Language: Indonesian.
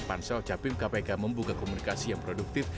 pansel capim kpk membuka komunikasi yang produktif